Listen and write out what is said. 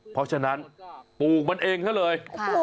เพราะฉะนั้นปลูกมันเองซะเลย